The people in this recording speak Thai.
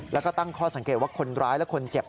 แล้วก็ตั้งข้อสังเกตว่าคนร้ายและคนเจ็บ